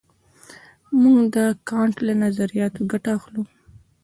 موږ د کانټ له نظریاتو ګټه اخلو.